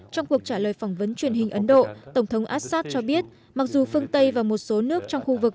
trong cuộc trả lời phỏng vấn truyền hình ấn độ tổng thống assad cho biết mặc dù phương tây và một số nước trong khu vực